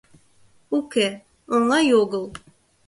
Уке, оҥай огыл.